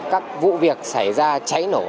các vụ việc xảy ra cháy nổ